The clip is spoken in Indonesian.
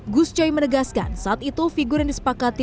gus coy menegaskan saat itu figur yang disepakati